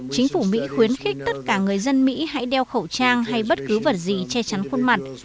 chính phủ mỹ khuyến khích tất cả người dân mỹ hãy đeo khẩu trang hay bất cứ vật gì che chắn khuôn mặt